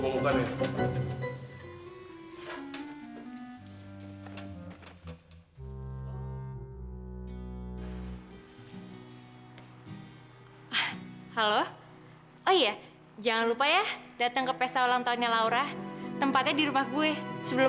oh baru oh iya jangan lupa ya datang ke pesta ulang tahunnya laura tempatnya di rumah gue sebelum